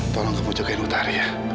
tolong kamu jagain utari ya